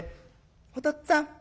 「おとっつぁん